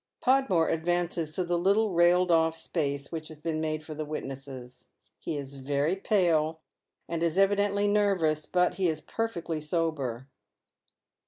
" Podmore advances to the little railed ofE space which has been made for the witnesses. He is very pale, and is evidently nervous ; but he is perfectly sober.